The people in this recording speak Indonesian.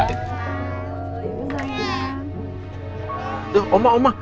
tuh oma oma